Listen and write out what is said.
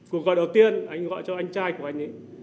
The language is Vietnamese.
cuộc gọi đầu tiên anh gọi cho anh trai của anh ấy